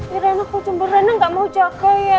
ya raina kok cuman raina gak mau jaga ya